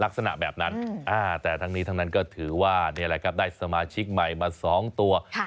ลักษณะแบบนั้นแต่ทั้งนี้ทั้งนั้นก็ถือว่าได้สมาชิกใหม่มาสองตัว